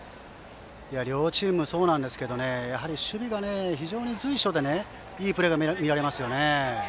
両チーム、そうなんですがやはり守備が非常に随所でいいプレーが見られますよね。